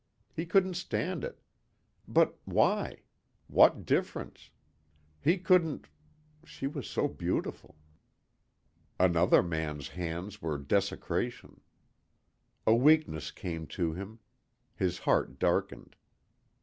He couldn't stand it. But why? What difference? He couldn't.... She was so beautiful. Another man's hands were desecration. A weakness came to him. His heart darkened.